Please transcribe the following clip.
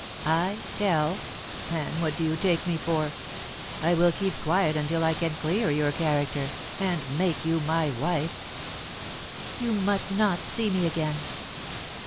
"I tell? Anne, what do you take me for? I will keep quiet until I can clear your character, and make you my wife." "You must not see me again."